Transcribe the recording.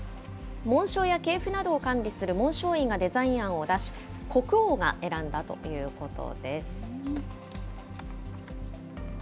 紋章や系譜などを管理する紋章院がデザイン案を出し、国王が選んだということです。